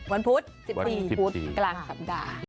วันพุธ๑๔กลางสัปดาห์